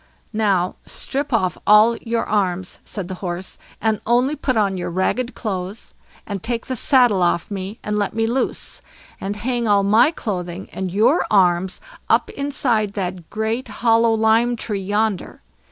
"Now, strip off all your arms", said the Horse, "and only put on your ragged clothes, and take the saddle off me, and let me loose, and hang all my clothing and your arms up inside that great hollow lime tree yonder.